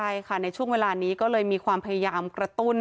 ใช่ค่ะในช่วงเวลานี้ก็เลยมีความพยายามกระตุ้น